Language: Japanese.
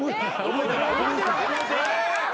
覚えてない。